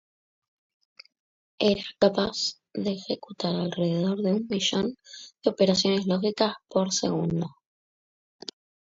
Era capaz de ejecutar alrededor de un millón de operaciones lógicas por segundo.